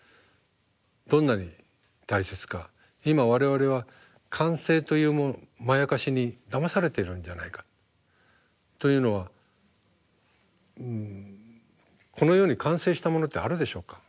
今我々は完成というまやかしにだまされているんじゃないか。というのはこの世に完成したものってあるでしょうか。